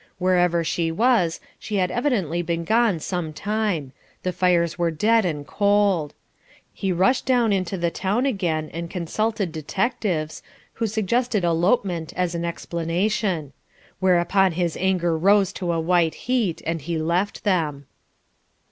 Wherever she was, she had evidently been gone some time; the fires were dead and cold. He rushed down into the town again and consulted detectives, who suggested elopement as an explanation. Whereupon his anger rose to a white heat, and he left them.